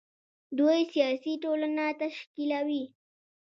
دوی سیاسي ټولنه تشکیلوي.